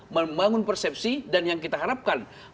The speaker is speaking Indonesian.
membangun persepsi dan yang kita harapkan